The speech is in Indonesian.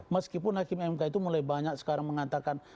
meskipun hakim mk itu mulai banyak sekarang mengatakan